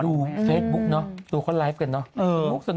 ดูเฟสบุ๊คเนาะดูคนไลฟ์กันเนาะ